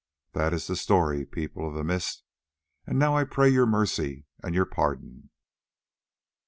That is the story, People of the Mist, and now I pray your mercy and your pardon."